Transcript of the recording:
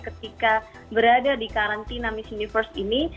ketika berada di karantina miss universe ini